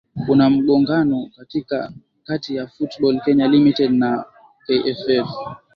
kunamgogano kati ya football kenya limited naam na kff